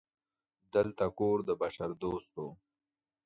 دلته کور د بشردوستو